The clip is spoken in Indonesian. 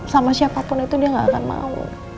sama siapapun itu dia gak akan mau